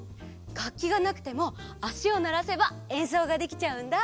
がっきがなくてもあしをならせばえんそうができちゃうんだ。